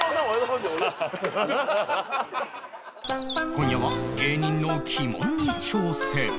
今夜は芸人の鬼門に挑戦